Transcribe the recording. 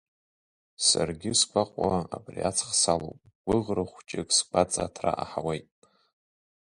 Саргьы сгәаҟуа абри аҵх салоуп, гәыӷра хәҷык сгәаҵа аҭра аҳауеит.